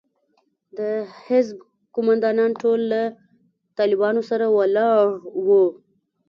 د حزب قومندانان ټول له طالبانو سره ولاړ وو.